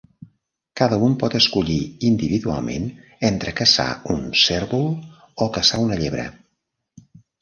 Cada un pot escollir individualment entre caçar un cérvol o caçar una llebre.